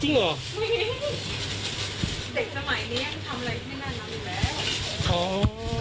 จริงเหรอเด็กสมัยเนี้ยก็ทำอะไรที่ไม่แน่นอนอยู่แล้วอ๋อ